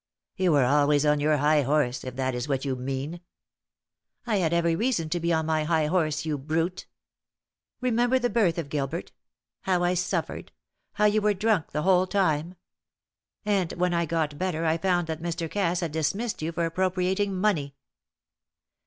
"You were always on your high horse, if that is what you mean." "I had every reason to be on my high horse, you brute. Remember the birth of Gilbert how I suffered how you were drunk the whole time. And when I got better I found that Mr. Cass had dismissed you for appropriating money."